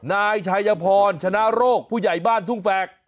นายชายพรชนะโรคผู้ใหญ่บ้านทุ่งแฝก